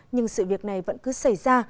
nhưng sự việc này vẫn cứ xảy ra